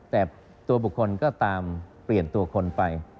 แต่ตัวบุคคลก็ตามเปลี่ยนตัวคนไป